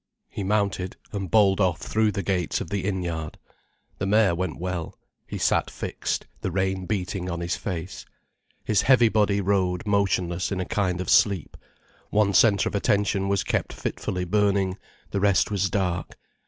He mounted and bowled off through the gates of the innyard. The mare went well, he sat fixed, the rain beating on his face. His heavy body rode motionless in a kind of sleep, one centre of attention was kept fitfully burning, the rest was dark.